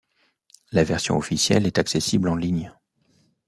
La version officielle est accessible en ligne.